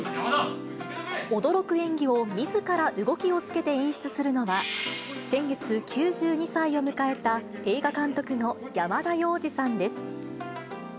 驚く演技をみずから動きをつけて演出するのは、先月、９２歳を迎えた映画監督の山田洋次さんです。